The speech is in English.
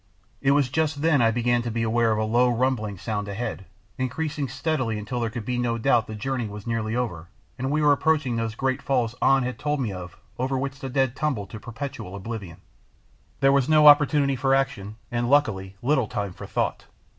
It was just then that I began to be aware of a low, rumbling sound ahead, increasing steadily until there could not be any doubt the journey was nearly over and we were approaching those great falls An had told me of, over which the dead tumble to perpetual oblivion. There was no opportunity for action, and, luckily, little time for thought.